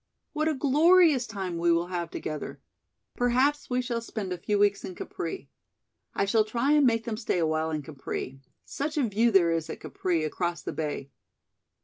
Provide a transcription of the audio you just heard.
What a glorious time we will have together. Perhaps we shall spend a few weeks in Capri. I shall try and make them stay a while in Capri. Such a view there is at Capri across the Bay.